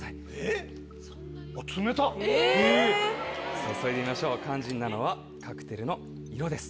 注いでみましょう肝心なのはカクテルの色です。